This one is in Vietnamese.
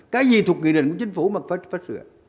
cái gì thuộc nghị định của chính phủ mà phải sửa